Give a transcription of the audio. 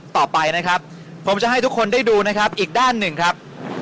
ต่อไปนะครับผมจะให้ทุกคนได้ดูนะครับอีกด้านหนึ่งครับ